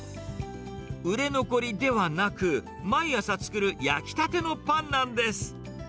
売れ残りではなく、毎朝作る焼きたてのパンなんです。